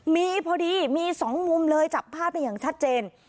มีพอดีมีสองมุมเลยจับภาพได้อย่างชัดเจน